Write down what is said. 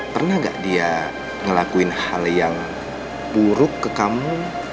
pernah gak dia ngelakuin hal yang buruk ke kamu